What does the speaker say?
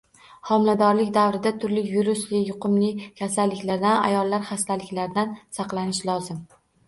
Homiladorlik davrida turli virusli, yuqumli kasalliklardan, ayollar xastaliklaridan saqlanish lozim.